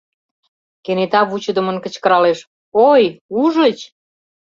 Кенета вучыдымын кычкыралеш: — Ой, ужыч?